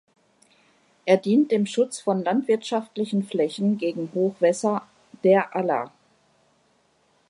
Er dient dem Schutz von landwirtschaftlichen Flächen gegen Hochwässer der Aller.